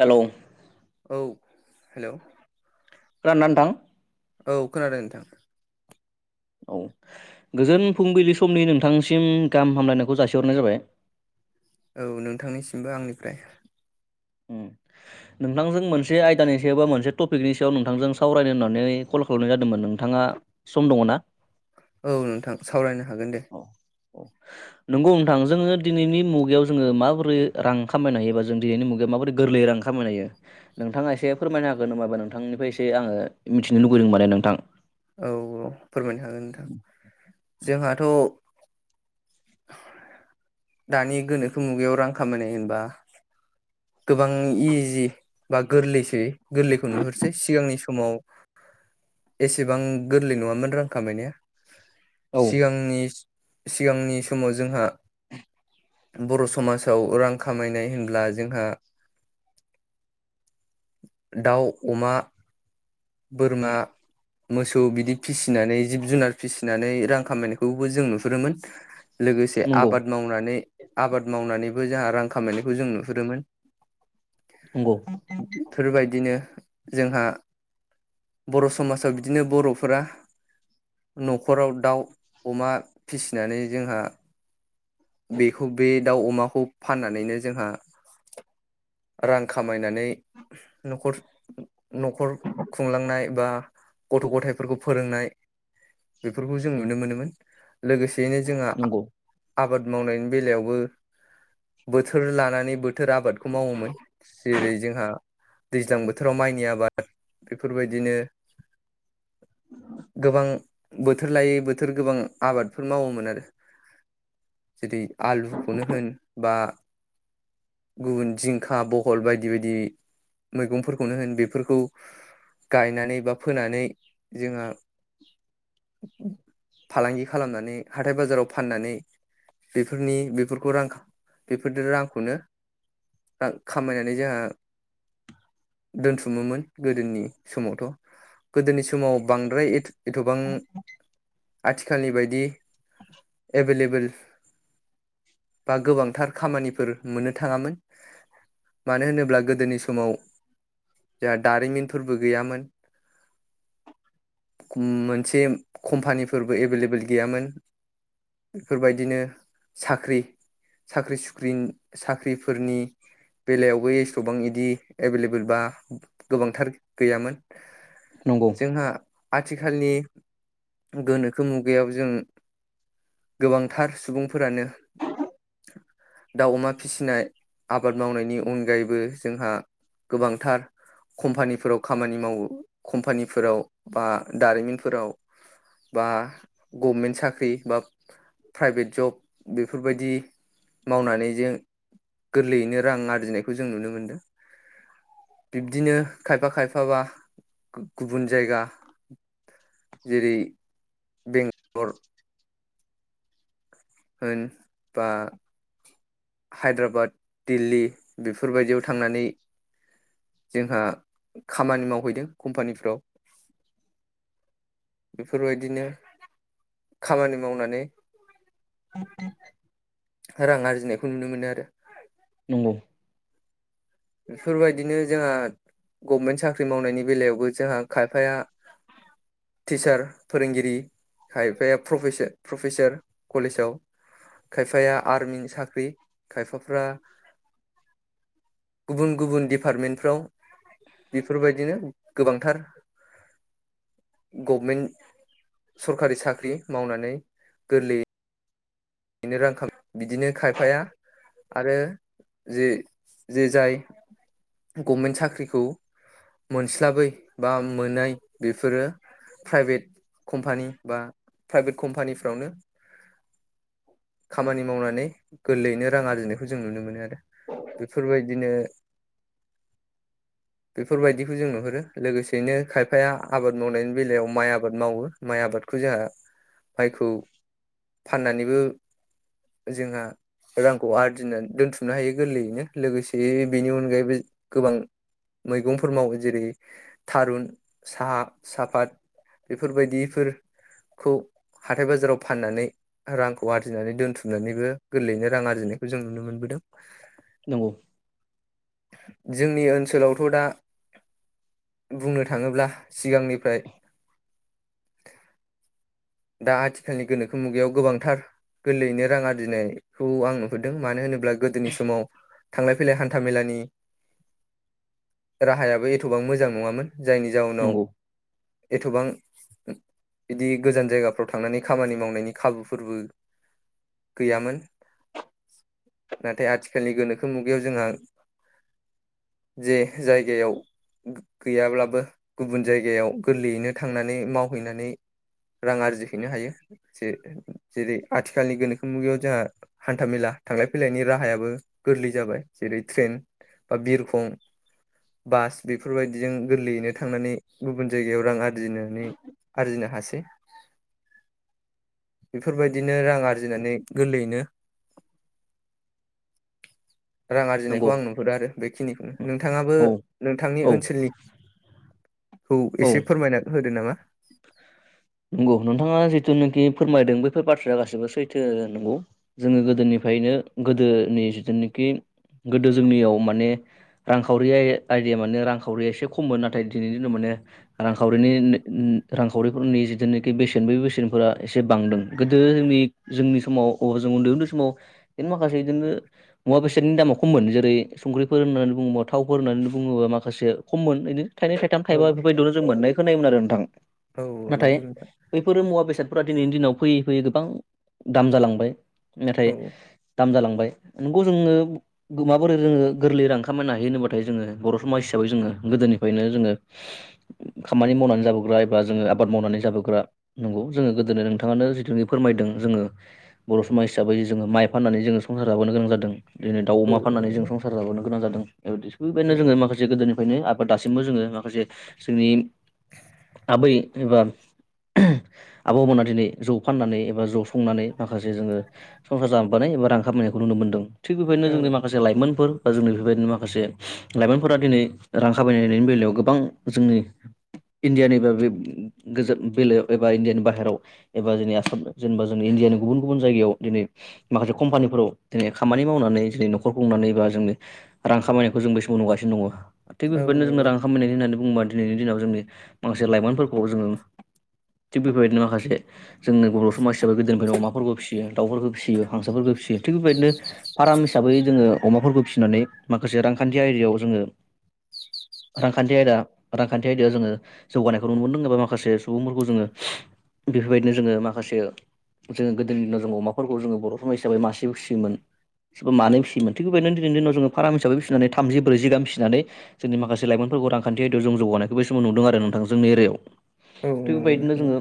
Hello औ hello खोनादों ना नोंथां? औ खोनादों नोंथां। औ गोजोन फुंबिलि समनि नोंथांसिम गाहाम हामलायनायखौ जासिहरनाय जाबाय। औ नोंथांनिसिमबो आंनिफ्राय उ नोंथांजों मोनसे आयदानि सायाव बा मोनसे टपिकनि सायाव नोंथांजों सावरायनो होननानै कल खालामनाय जादोंमोन। नोंथाङा सम दङ ना? औ नोंथां सावरायनो हागोन दे। औ औ नंगौ नोंथां जोङो दिनैनि मुगायाव जोङो माबोरै रां खामायनो हायो बा जों दिनैनि मुगायाव माबोरै गोरलैयै रां खामायनो हायो? नोंथाङा एसे फोरमायनो हागोन होनबाबो नोंथांनिफ्राय एसे आङो मिथिनो लुगैदों माने नोंथां। औ औ फोरमायनो हागोन नोंथां जोंहाथ' दानि गोनोखो मुगायाव रां खामायनाय होनबा गोबां इजि बा गोरलैसै गोरलैखौ नुहुरसै सिगांनि समाव एसेबां गोरलै नङामोन रां खामायनाया औ सिगांनि सिगांनि समाव जोंहा बर' समाजाव रां खामायनाय होनब्ला जोंहा [unintelligible] दाउ अमा बोरमा मोसौ बिदि फिसिनानै जिब जुनार फिसिनानै रां खामायनायखौबो जों नुहुरोमोन। लोगोसे नंगौ आबाद मावनानै आबाद मावनानैबो जोंहा रां खामायनायखौ जों नुहुरोमोन। नंगौ बेफोरबायदिनो जोंहा बर' समाजाव बिदिनो बर'फोरा न'खराव दाउ अमा फिसिनानै जोंहा बेखौ बे दाउ अमाखौ फाननानैनो जोंहा रां खामायनानै न'खर न'खर खुंलांनाय बा गथ' गथायफोरखौ फोरोंनाय बेफोरखौ जों नुनो मोनोमोन लोगोसेयैनो जोंहा नंगौ आबाद मावनायनि बेलायावबो बोथोर लानानै बोथोर आबादखौ मावोमोन जेरै जोंहा दैज्लां बोथोराव माइनि आबाद बेफोरबायदिनो गोबां बोथोर लायै बोथोर गोबां आबादफोर मावोमोन आरो जेरै आलुखौनो होन बा गुबुन जिंखा खल बायदि बायदि मैगंफोरखौनो होन बेफोरखौ गायनानै बा फोनानै जोंहा फालांगि खालामनानै हाथाय बाजाराव फाननानै बेफोरनि बेफोरखौ रां बेफोरदो रांखौनो खामायनानै जोंहा दोनथुमोमोन गोदोनि समावथ' गोदोनि समाव बांद्राय एथ'बां आथिखालनि बायदि एभेलेबोेल बा गोबांथार खामानिफोर मोननो थाङामोन। मानो होनोब्ला गोदोनि समाव जोंहा दारिमिनफोरबो गैयामोन मोनसे कम्पानिफोरबो एभेलेबेल गैयामोन बेफोरबायदिनो साख्रि साख्रि सुख्रिं साख्रिफोरनि बेलायावबो एसबबां इदि एभेलेबल बा गोबांथार गैयामोन। नंगौ। जोंहा आथिखालनि गोनोखो मुगायाव जों गोबांथार सुबुंफोरानो दाउ अमा फिसिनाय आबाद मावनायनि अनगायैबो जोंहा गोबांथार कम्पानिफोराव खामानि मावो कम्पानिफोराव बा दारिमिनफोराव बा गभमेन्ट साख्रि बा प्राइभेट जब बेफोरबायदि मावनानै जों गोरलैयैनो रां आरजिनायखौ जों नुनो मोन्दों। बिब्दिनो खायफा खायफा बा गुबुन जायगा जेरै बेंगलर होन बा हायद्राबाद दिल्ली बेफोरबायदियाव थांनानै जोंहा खामानि मावहैदों कम्पानिफ्राव। बेफोरबायदिनो खामानि मावनानै रां आरजिनायखौ नुनो मोनो आरो। नंगौ। बेफोरबायदिनो जोंहा गभमेन्ट साख्रि मावनायनि बेलायावबो जोंहा खायफाया टिचार फोरोंगिरि खायफाया प्रफेसो प्रफेसार कलेजाव। खायफाया आर्मिनि साख्रि खायफाफ्रा गुबुन गुबुन डिपार्टमेन्टफ्राव बेफोरबायदिनो गोबांथार गभमेन्ट सरखारि साख्रि मावनानै गोरलैयै बिनो रांखाम बिदिनो खायफाया आरो जे जे जाय गभमेन्ट साख्रिखौ मोनस्लाबै बा मोनै बेफोरो प्राइभेट कम्पानि बा प्राइभेट कम्पानिफ्रावनो औ खामानि मावनानै गोरलैयैनो रां आरजिनायखौ जों नुनो मोनो आरो। बेफोरबायदिनो बेफोरबायदिखौ जों नुहरो लोगोसेयैनो खायफाया आबाद मावनायनि बेलायाव माइ आबाद मावो। माइ आबादखौ जोहा माइखौ फाननानैबो जोंहा रांखौ आरजिनानै दोनथुमनो हायो गोरलैयैनो लोगोसे बेनि अनगायैबो गोबां मैगंफोर मावो जेरै थारुन साहा साफात बेफोरबायदिफोरखौ हाथाय बाजाराव फाननानै रां खौ आरजिनानै दोनथुमनानैबो गोरलैयैनो रां आरजिनायखौ जों नुनो मोनबोदों। नंगौ। जोंनि ओनसोलावथ' दा बुंनो थाङोब्ला सिगांनिफ्राय दा आथिखालनि गोनोखो मुगायाव गोबांथार गोरलैयैनो रां आरजिनायखौ आं नुहुरदों मानो होनोब्ला गोदोनि समाव थांलाय फैलाय हान्था मेलानि राहायाबो एथ'बां मोजां नङामोन। जायनि जाउनाव नंगौ एथ'बां बिदि गोजान जायगाफ्राव थांनानै खामानि मावनायनि खाबुफोरबो गैयामोन नाथाय आथिखालनि गोनोखो मुगायाव जोंहा जे जायगायाव गो-गैयाब्लाबो गुबुन जायगायाव गोरलैयैनो थांनानै मावहैनानै रां आरजि हैैनो हायो जे-जेरै आथिखालनि गोनोखो मुगायाव जोंहा हान्थामेला थांलाय फैलायनि राहायाबो गोरलै जाबाय। जेरै ट्रेन बा बिरखं बास बेफोरबायदिजों गोरलैयैनो थांनानै गुबुन जायगायाव रां आरजिनानै आरजिनो हासै। [inaudible] [inaudible] बेफोरबाय बिदिनो रां आरजिनानै गोरलैयैनो रां आरजिनायखौ नंगौ आं नुहुरो आरो बेखिनिखौनो। नोंथाङाबो औ नोंथांनि औ ओनसोलनि खौ औ एसे फोरमायना होदो नामा। नंगौ नोंथाङा जिथु नखि फोरमायदों बैफोर बाथ्राया गासिबो सैथो नंगौ। जोङो गोदोनिफ्रायनो गोदोनि जिथुनाखि गोदो जोंनियाव माने रांखावरि आइ-आइडिया मानो रांखावरिया एसे खममोन नाथाय दिनैनि दिनाव मोने रांखावरिनि नि रांखावरिफोरनि जि जेनोखि बेसेन बै बेसेनफोरा एसे बांदों। गोदोनि जोंनि समाव अ जों उन्दै उन्दै समाव बिनो माखासे बिदिनो मुवा बेसादनि दामा खममोन। जेरै संख्रिफोर होननानै बुङोब्ला थावफोर होननानै बुङोबा माखासे खममोन एनो। थाइनै थाइथाम औ थाइबा बेफोरबायदिल' जों मोननाय खोनायोमोन आरो नोंथां। औ नाथाय नोंजों बैफोर मुवा बेसादफोरा दिनैनि दिनाव फैयै फैयै गोबां दाम जालांबाय। नाथाइ औ दाम जालांबाय नंगौ जोंनो माबोरै जोङो गोरलै रां खामायनो हायो होनोबाथाय जोङो बर' समाज हिसाबै जोङो गोदोनिफ्रायनो जोङो खामानि मावनानै जाबोग्रा एबा जोङो आबाद मावनानै जाबो ग्रा नंगौ जोङो गोदोननो नोंथाङानो जिथुखि फोरमायदों जोङो बर' समाज हिसाबै जोङो माइ फाननानै जो संसार जाबोनो गोनां जादों। दिनै दाउ औ अमा फाननानै जों नंगौ संसार जाबोनो गोनां जादों औ बेबायदिनो जोङो माखासे गोदोनि बेनो आबाद दासिमबो जोङो माखासे जोंनि आबै एबा ओम आबौमोना दिनै जौ फाननानै एबा ज' संनानै माखासे जोङो संसार जाबोबानै एबा रां खामायनायखौ नुनो मोनदों। थिग बेबायनो औ जोंनि माखासे बे लाइमोनफोर बा जोंनि बेफोरबायदिनो माखासे लाइमोनफोरा दिनै रां खाबायनायनि बेलायाव गोबां जोंनि इण्डियानि बागै उम गोजोन बेलायाव एबा इण्डियानि बाहेरायाव एबा जोंनि आसाम जेनेबा जोंनि इण्डियानि गुबुन गुबुन जायगायाव दिनै माखासे कम्पानिफोराव दिनै खामानि मावनानै जेरै न'खर खुंनानै बा जोंनि रां खामायनायखौ जों बे समाव नुगासिनो दङ। थिग औ बेफोरबायदिनो जोंना नंगौ रां खामायनाय होननानै बुङोबा दिनैनि दिनाव जोंनि माखासे लाइमोनफोरखौ जोङो थिग बेबायदिनो माखासे जोंनो बर' समाज हिसाबै गोदोनिफ्रायनो अमाफोरबो फिसियो दाउफोरफोरखौ फिसियो हारसाफोरफोरखौ फिसियो। थिग बेबायदिनो फाराम हिसाबै जोङो अमाफोरखौ फिसिनानै माखासे रांखान्थि आयदायाव जोङो रांखान्थि आयदा रांखान्थि आयदायाव जोङो जौगानायखौ नुनो मोनदों एबा माखासे सुबुंफोरखौ जोङो बेफोरबायदिनो जोङो माखासे जोङो गोदोनि दिनाव जोङो अमाफोरखौ जोङो बर' समाज हिसाबै मासेबो फिसियोन सोरबा मानै फिसियोमोन। थिग बेबायदिनो दिनैनि दिनाव जोङो फाराम हिसाबै फिनानै थामजि ब्रैजि गाहाम फिसिनानै जोंनि माखासे लाइमोनफोरखौ रांखानथि आयदायाव जों जौगानायखौ बे समाव नुदों आरो नोंथां जोंनि एरिया आव। औ थिग नंगौ बेबायदिनो नोंथां जोङो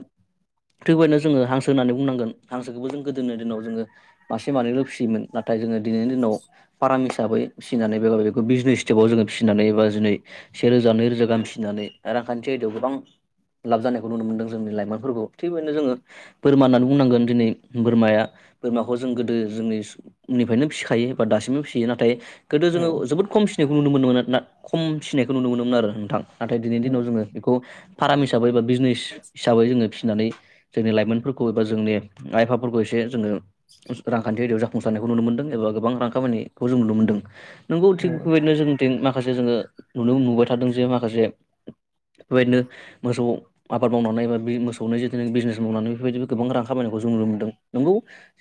थिग बेबायदिनो जोङो हांसो होननानै बुंनांगोन हांसोखौबो जों गोदोनि दिनाव जोङो मासे मानैल' फिसियोमोन। नाथाय जोङो दिनैनि दिनाव फाराम हिसाबै फिनानै ब बेखौ बिजनेस स्टेपाव जोङो फिसिनानै एबा दिनै सेेरोजा नै रोजा गाहाम फिनानै रांखान्थि आयदायाव गोबां लाब जानाय नुनो मोनदों जोंनि लाइमोनफोरखौ थिग बेबायदिनो जोङो‌ बोरमा होननानै बुंनांगोन दिनै बोरमाया बोरमाखौ जों गोदो जोंनि सफ्रायनो फिखायो बा दासिमबो फिसियो नाथाय गोदो जोङो औ जोबोद खम फसिनायखौ नुनो मोनोन ना खम फसिनायखौ नुनो मोनोमोन आरो नोंथां नाथाय दिनैनि औ दिनाव जोङो बेखौ फाराम हिसाबै बा बिजनेस हिसाबै जोङो फिसिनानै जोंनि लाइमोनफोरखौ एबा जोंनि आइ आफाफोरखौ एसे जोङो रांखान्थि जाफुंसारानायखौ नुनो मोनदों एबा गोबां रां खामायनायखौ जों नुनो मोन्दों नोंगौ थिग औ बेबायदिनो जों थिं माखासे जोङो नुनो नुबाय थादों जे माखासे बेबायदिनो मोसौ आबाद मावनानै बा बे मोसौनो जिहेथु बिजनेस मावनानै बेफोरबायदि गोबां रां खामायनायखौ जों नुनो मोनदों। नंगौ।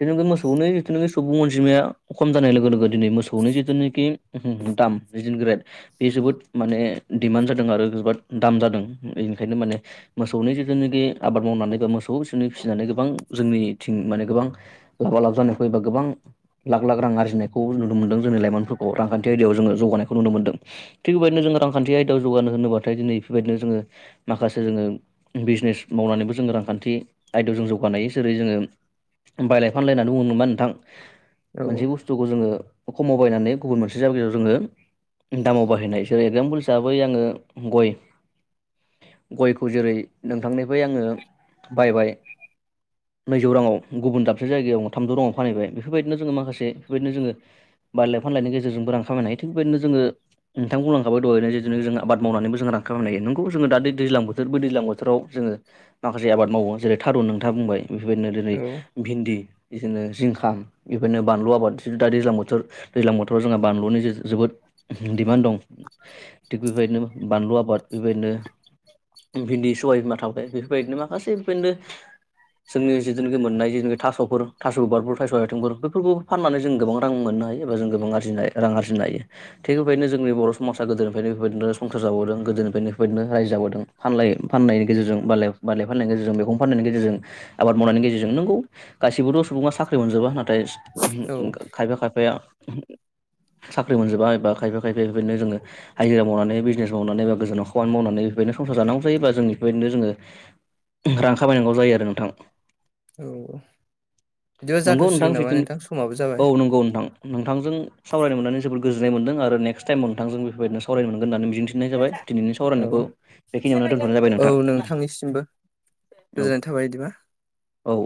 जेनुखि मोसौनि जिथुनोखि सुबुं अनजिमाया खम जानाय लोगो लोगो दिनै मोसौनि जिथुनोखि दाम बिदिनो ग्रेद बे जोबोद माने डिमान्ड जादों आरो जोबोद दाम जादों बेनिखायनो माने मोसौनि जितुनोखि आबाद मावनानै बा मोसौ बिसोरनि फिसिनानै गोबां जोंनिथिं माने गोबां लाबा लाब जानाय एबा गोबां लाख लाख रां आर्जिनायखौ नुनो मोनदों जोंनि लाइमोनफोरखौ रांखान्थि आयदायाव जोङो जौगानायखौ नुनो मोनदों। थिग बेबायदिनो जोङो रांखान्थि आयदायाव जौगानो होनोब्लाथाय दिनै बेफोरबायदिनो जोङो माखासे जोङो बिजनेस मावनानैबो जोङो रांखान्थि आयदायाव जों जौगानाय जेरै जोङो बायलाय फानलायना बुङो नामा नोंथां औ मोनसे बुस तुखौ जोङो खमाव बायनानै गुबुन मोनसे जायगायाव जोङो दामाव बाहायनाय जेरै एगजामपोल हिसाबै आङो गय गयखौ जेरै नोंथांनिफ्राय आङो बायबाय नैजौ राङाव गुबुन दाबसे जायगायाव थामजौ राङाव फानहैबाय बेफोरबायदिनो जोङो माखा बेफोरबायदिनो जोङो बायलाय फानलायनि गेजेरजोंबो रां खामायनाय हायो थि बेबायदिनो जोङो नोंथां बुंलांखाबाथ दहयनो जितुनो जों आबाद मावनानैबो जों रां खालाम हायो नोंगौ जोङो दा दैलां बोथोर बै दैज्लां बोथोराव जोङो माखासे आबाद मावो जेरै थारुन नोंथा बुंबाय बेफोरबायदिनो दिनै औ भिन्दि बिदिनो जिंखा बेफोरनो बानलु आबाद जितु दा दैज्लां बोथोर दैज्लां बोथोराव जोंहा बानलुनि जे जोबोद दिडिमान्ड दं। थिग बेबायदिनो बानलु आबाद बेबायदिनो भिदि दहय होनना थांबाय बेफोरबायदिनो माखासे बेबायनो जोंनि जिथुखि मोननाय जिखि थास'फोर थास' बिबारफोर थास' आथिंफोर बेफोरखौ फाननानै जों गोबां रां मोननो हायो एबा जों गोबां आरजिनो रां आरजिनो हायो। थिग बेबायदिनो जोंनि बर' समाजा गोदोनिफ्रायनो बेफोरबायदिनो संसार जाबोदों गोदोनिफ्रायनो बेफोरबायदिनो रायजो जाबोदों फानलाय फाननायनि गेजेरजों बाले बालाय फाननायनि गेजेरजों मेगं फाननायनि गेजेरजों आबाद मावनायनि गेजेरजों नोंगौ गासिबोथ' सुबुङा साख्रि मोनजोबा नाथाय औ खायफा खायफाया साख्रि मोनजोबा एबा खायफा बे बेबायनो जोङो हायजिरा मावनानै बिजनेस मावनानै बा गोजानाव खामानि मावनानै बेफोरबादिनो संसार जानांगौ जायो। जों बेफोरबायदिनो जोङो रां खामायनांगौ जायो आरो नोंथां। औ बिदिबा नंगौ नोंथां जाथ'सिगोन नामा जितु समाबो जाबाय औ नंगौ नोंथां। नोंथांजों सावरायनो मोननानै जोबोद गोजोन्नाय मोनदों आरो नेक्स्ट टाइमाव नोंथांजों बेबायदिनो सावरायनो मोनगोन होननानै मिजिंथि नाय जाबाय दिनैनि औ सावरायनायखौ बेखिनियावनो दोन औ नोंथांनिसिमबो औ गोजोननाय थाबाय बिदिबा औ